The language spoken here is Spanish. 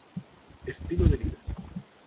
Estilo de vida.